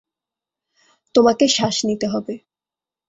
তোমাকে শ্বাস নিতে হবে।